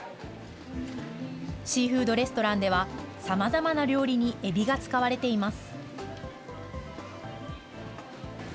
シーフードレストランでは、さまざまな料理にエビが使われています。